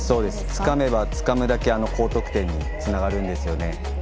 つかめばつかむだけ高得点につながるんですよね。